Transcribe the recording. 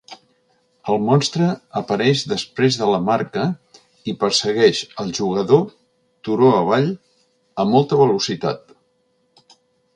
El monstre apareix després de la marca y persegueix al jugador turó avall a molta velocitat.